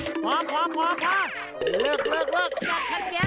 เลิกจากขั้นแยงกันเลย